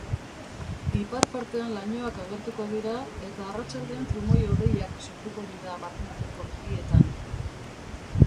Ipar-partean lainoak agertuko dira eta arratsaldean trumoi-hodeiak sortuko dira barnealdeko mendietan.